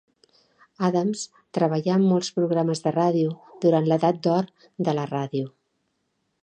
Adams treballà en molts programes de ràdio durant l'Edat d'Or de la Ràdio.